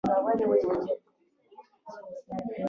د هسپانویانو د بې غورۍ له امله له منځه لاړ.